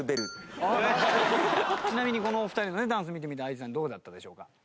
ちなみにこのお二人のねダンス見てみてＩＧさんどうだったでしょうか？